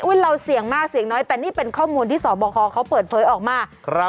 เราเสี่ยงมากเสี่ยงน้อยแต่นี่เป็นข้อมูลที่สอบคอเขาเปิดเผยออกมาครับ